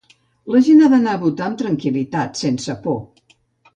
La gent ha d’anar a votar amb tota tranquil·litat, sense por.